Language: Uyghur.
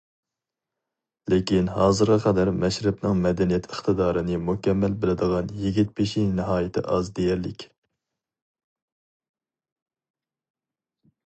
لېكىن ھازىرغا قەدەر مەشرەپنىڭ مەدەنىيەت ئىقتىدارىنى مۇكەممەل بىلىدىغان يىگىتبېشى ناھايىتى ئاز دېيەرلىك.